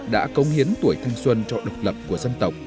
đã cống hiến tuổi thanh xuân cho độc lập của dân tộc